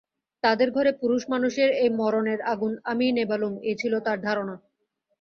তাঁদের ঘরে পুরুষমানুষের এই মরণের আগুন আমিই নেবালুম এই ছিল তাঁর ধারণা।